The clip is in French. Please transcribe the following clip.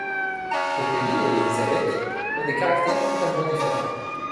Opélie et Élisabec ont des caractères totalement différents.